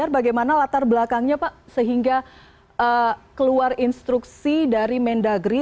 bagaimana latar belakangnya pak sehingga keluar instruksi dari mendagri